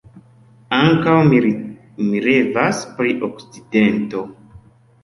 Ankaŭ mi revas pri Okcidento.